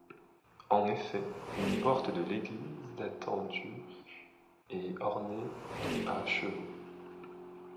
En effet, une porte de l’église datant du est ornée de à chevaux.